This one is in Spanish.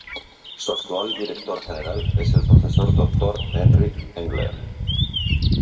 Su actual director general es el profesor doctor Henry Engler.